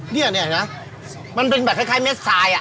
เนี่ยนะมันเป็นแบบคล้ายเม็ดทราย